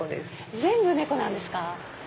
全部猫なんですか！